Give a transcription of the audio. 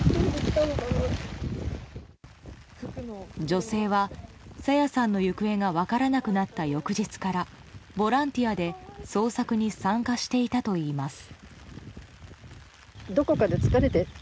女性は朝芽さんの行方が分からなくなった翌日からボランティアで捜索に参加していたといいます。